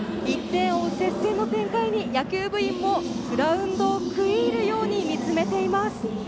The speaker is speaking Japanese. １点を追う接戦の展開に野球部員もグラウンドを食い入るように見つめています。